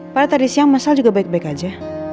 padahal tadi siang mas sal juga baik baik aja